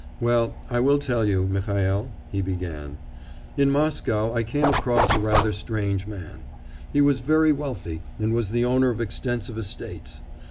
'Well, I will tell you, Mihail,' he began. 'In Moscow I came across a rather strange man. He was very wealthy and was the owner of extensive estates.